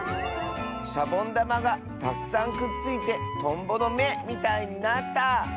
「シャボンだまがたくさんくっついてトンボのめみたいになった！」。